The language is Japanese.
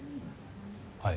はい。